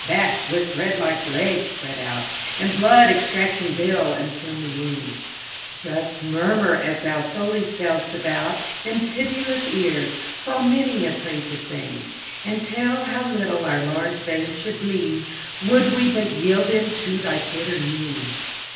that, with thread like legs spread out, And blood extracting bill, and filmy wing, Dost murmur, as thou slowly sail'st about, In pitiless ears, fall many a plaintive thing, And tell how little our large veins should bleed Would we but yield them to thy bitter need.